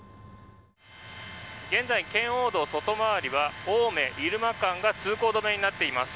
現在、圏央道外回りは青梅入間間が通行止めになっています。